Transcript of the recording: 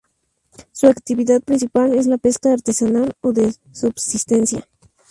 Su actividad principal es la pesca artesanal o de subsistencia.